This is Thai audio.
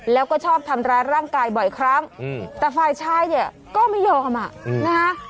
แล้วก็ชอบทำร้ายร่างกายบ่อยครั้งแต่ฝ่ายชายเนี่ยก็ไม่ยอมอ่ะนะฮะ